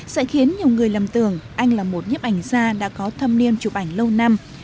sẽ khiến nhiều người lầm tưởng anh là một nhếp ảnh gia đã có thâm niên chụp ảnh lâu năm